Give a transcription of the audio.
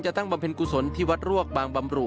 ตั้งบำเพ็ญกุศลที่วัดรวกบางบำรุ